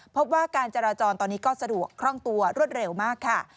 พบว่าการจราจรตอนนี้ก็สะดวกคล่องตัวรวดเร็วมากค่ะ